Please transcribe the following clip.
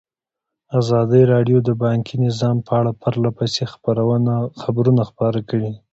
ازادي راډیو د بانکي نظام په اړه پرله پسې خبرونه خپاره کړي.